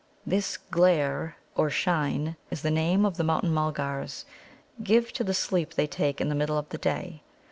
'" This "glare," or "shine," is the name of the Mountain mulgars give to the sleep they take in the middle of the day.